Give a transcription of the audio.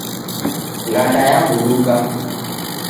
Nganda yawuduka